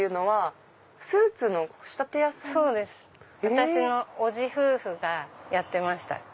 私のおじ夫婦がやってました。